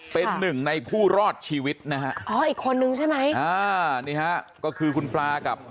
เป็นหนึ่งในผู้รอดชีวิตนะฮะอ๋ออีกคนนึงใช่ไหมอ่านี่ฮะก็คือคุณปลากับ